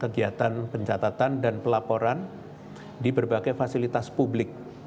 kegiatan pencatatan dan pelaporan di berbagai fasilitas publik